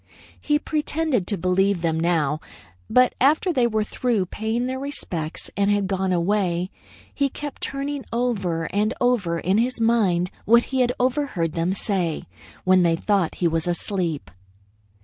He pretended to believe them now, but after they were through paying their respects and had gone away, he kept turning over and over in his mind what he had overheard them say when they thought he was asleep.